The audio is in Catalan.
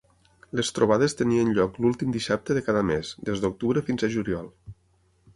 Les trobades tenien lloc l'últim dissabte de cada mes, des d'octubre fins a juliol.